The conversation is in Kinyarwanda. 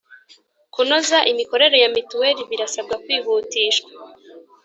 Kunoza imikorere ya Mituweli birasabwa kwihutishwa